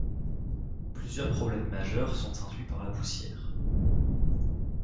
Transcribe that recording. Plusieurs problèmes majeurs sont induits par la poussière.